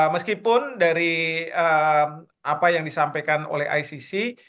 meskipun dari apa yang disampaikan oleh icc